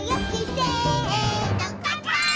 「せーのかんぱーい！！」